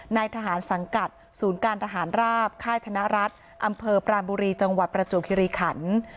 นายทหารสังกัดศูนย์การทหารราบค่ายธนรัฐอำเภอปรานบุรีจังหวัดประจวบคิริขัน